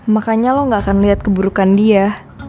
makanya lo gak akan lihat keburukan dia